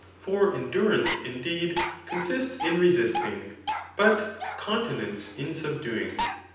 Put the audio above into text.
For endurance, indeed, consists in resisting, but conti nence in subduing.